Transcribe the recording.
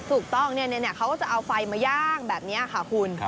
ถูกต้องเขาก็จะเอาไฟมาย่างแบบนี้ค่ะคุณ